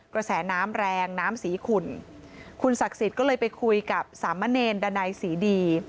กระแสน้ำแรงน้ำสีขุ่นคุณศักดิ์สิทธิ์ก็เลยไปคุยกับสามะเนรดันัยศรีดี